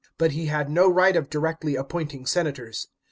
But he had no right of directly appointing senators.